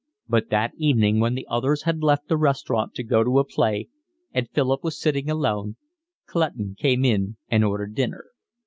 But that evening, when the others had left the restaurant to go to a play and Philip was sitting alone, Clutton came in and ordered dinner.